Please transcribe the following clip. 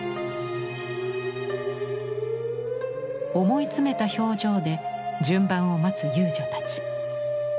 思い詰めた表情で順番を待つ遊女たち。